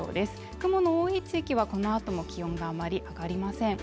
雲の多い地域はこの後も気温があまり上がりません。